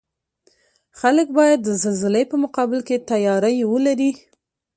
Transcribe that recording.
خلک باید د زلزلې په مقابل کې تیاری ولري